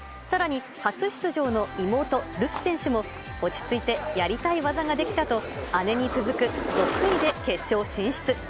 さらに初出場の妹、るき選手も、落ち着いてやりたい技ができたと、姉に続く６位で決勝進出。